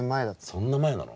そんな前なの？